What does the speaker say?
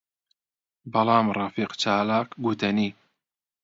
بەڵام ڕەفیق چالاک گوتەنی: